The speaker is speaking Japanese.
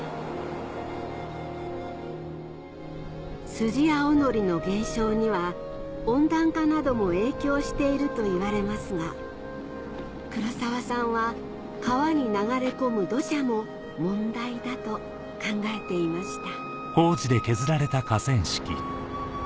スジアオノリの減少には温暖化なども影響しているといわれますが黒澤さんは川に流れ込む土砂も問題だと考えていました